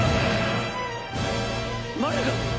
マルガム！？